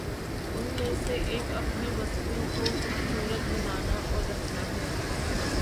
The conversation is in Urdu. ان میں سے ایک اپنی بستیوں کو خوب صورت بنانا اور رکھنا ہے۔